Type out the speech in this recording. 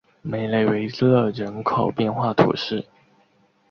梅雷维勒人口变化图示